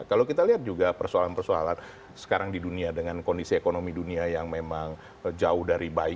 kalau kita lihat juga persoalan persoalan sekarang di dunia dengan kondisi ekonomi dunia yang memang jauh dari baik